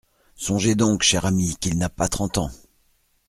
Songez donc, chère amie, qu'il n'a pas trente ans.